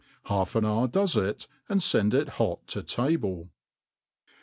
Half all hoUr does it, and ^hd it hot to table.